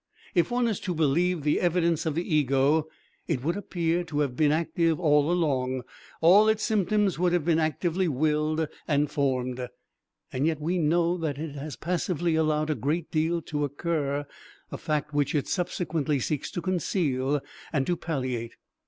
If one is to believe the evidence of the ego, it would appear to have been active all along, all its symptoms would have been actively willed and formed. Yet we know that it has passively allowed a great deal to occur, a fact which it subsequently seeks to conceal and to palliate.